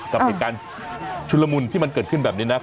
กับอิจการชุลมุนที่มันเกิดขึ้นแบบนี้นะ